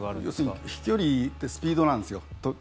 要するに飛距離ってスピードなんですよ。